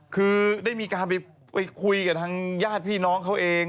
คือได้มีการไปคุยกับทางญาติพี่น้องเขาเอง